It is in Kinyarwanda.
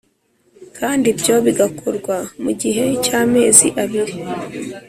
kandi ibyo bigakorwa mu gihe cy amezi abiri